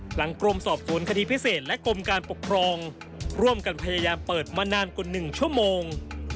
กรมสอบสวนคดีพิเศษและกรมการปกครองร่วมกันพยายามเปิดมานานกว่า๑ชั่วโมง